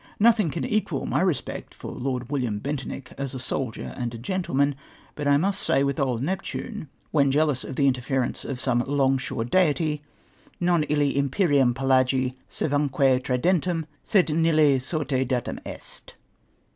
Nothing can equal my respect for Lord William Bentinck as a soldier and a gentleman, Lut I must say with old Neptune, when jealous of the interference of some " l(jnr/ shore" De'dij, 'Non illi imperium pelagi sa3vum([ue tridentem Sed mihi — sorte datum est.'